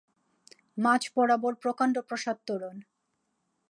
মাঝ বরাবর প্রকাণ্ড প্রাসাদ তোরণ।